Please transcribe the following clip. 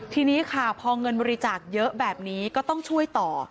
ทีนี้ค่ะพอเงินบริจาคเยอะแบบนี้ก็ต้องช่วยต่อ